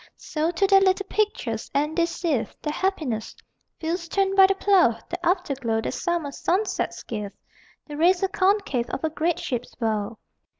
So to their little pictures, and they sieve Their happinesses: fields turned by the plough, The afterglow that summer sunsets give, The razor concave of a great ship's bow.